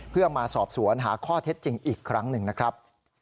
เพื่อมาสอบสวนหาข้อเท็จจริงอีกครั้งหนึ่งนะครับ